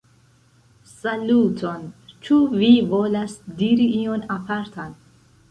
Saluton, ĉu vi volas diri ion apartan?